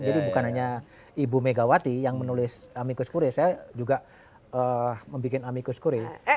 jadi bukan hanya ibu megawati yang menulis amicus curie saya juga membuat amicus curie